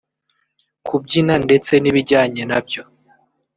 kubyina ndetse n’ibijyanye na byo